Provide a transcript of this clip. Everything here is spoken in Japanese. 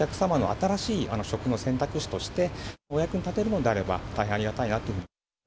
お客様の新しい食の選択肢として、お役に立てるのであれば、大変ありがたいなと。